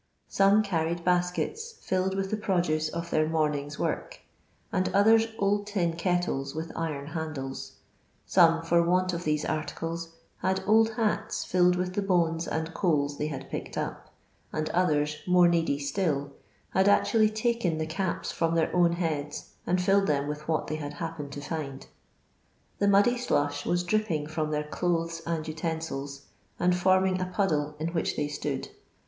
Some carried baeketa, fUled with the produce of their moming*e work, and others old tin kettles with iron handles. Scnne, for want of these articles, had old hats filled with the bones and coals they had picked up ; and others, more needy still, had actually taken the Xfirom their own heads, and filled them with they had happened to find. The muddy slush was dripping from their clothes and utensils, and forming a puddle in which they stood.